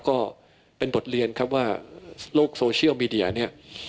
ก็เป็นบทเรียนครับว่าโลกโซเชียลมีเดียเนี่ย